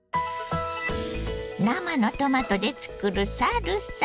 生のトマトで作るサルサ。